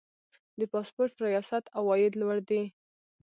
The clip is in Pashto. د پاسپورت ریاست عواید لوړ دي